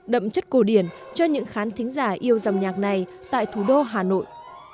đậm chất cổ điển cho những khán thính giả yêu dòng nhạc này tại thủ đô hà nội